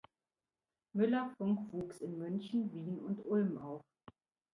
Müller-Funk wuchs in München, Wien und Ulm auf.